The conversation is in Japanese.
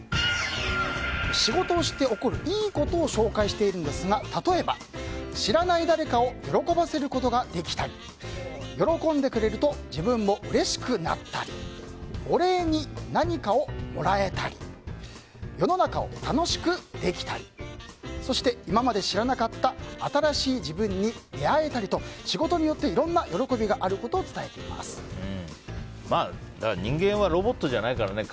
仕事をして起こるいいことを紹介しているんですが例えば、知らない誰かを喜ばせることができたり喜んでくれると自分もうれしくなったりお礼に何かをもらえたり世の中を楽しくできたりそして、今まで知らなかった新しい自分に出会えたりと仕事によっていろんな喜びがあることを人間はロボットじゃないからね。